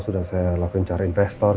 sudah saya lakuin cari investor